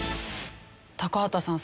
高畑さん